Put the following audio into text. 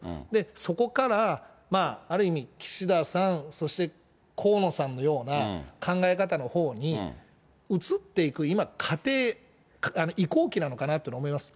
そこからある意味、岸田さん、そして河野さんのような考え方のほうに移っていく、今、過程、移行期なのかなと思います。